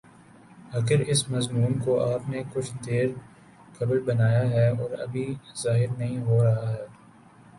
اگر اس مضمون کو آپ نے کچھ دیر قبل بنایا ہے اور ابھی ظاہر نہیں ہو رہا ہے